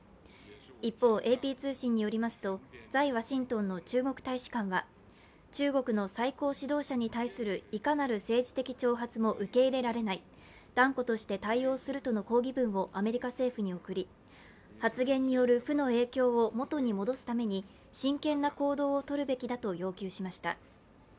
一方、ＡＰ通信によりますと在ワシントンの中国大使館は中国の最高指導者に対するいかなる政治的挑発も受け入れられない断固として対応するとの抗議文をアメリカ政府に送り発言による負の影響を元に戻すために真剣な行動を取るべきだと要求しました。